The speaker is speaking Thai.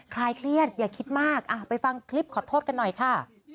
คลายเครียดอย่าคิดมากไปฟังคลิปขอโทษกันหน่อยค่ะ